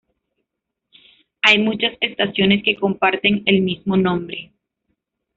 Hay muchas estaciones que comparten el mismo nombre.